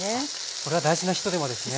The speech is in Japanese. これは大事なひと手間ですね。